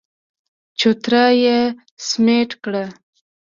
چوتره يې سمټ کړه.